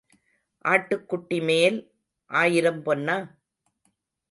ஆட்டுக்குட்டிமேல் ஆயிரம் பொன்னா?